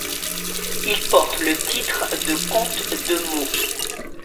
Il porte le titre de comte de Meaux.